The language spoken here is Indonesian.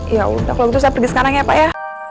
ya udah kalau begitu saya pergi sekarang ya pak ya